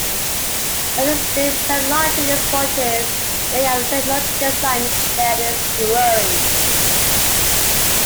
Assistive technology in sport is an area of technology design that is growing.